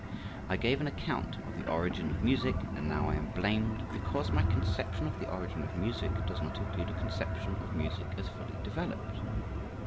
"I gave an account of the origin of music, and now I am blamed because my conception of the origin of music does not include a conception of music as fully developed.